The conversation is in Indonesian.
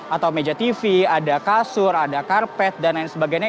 atau meja tv ada kasur ada karpet dan lain sebagainya